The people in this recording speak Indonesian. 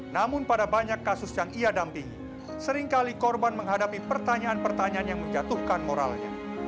namun pada banyak kasus yang ia dampingi seringkali korban menghadapi pertanyaan pertanyaan yang menjatuhkan moralnya